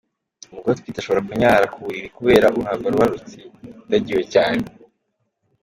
Umugore utwite ashobora kunyara ku buriri kubera uruhago ruba rutsindagiwe cyane.